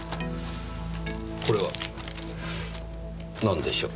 これは何でしょう？